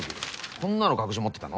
こんなの隠し持ってたの？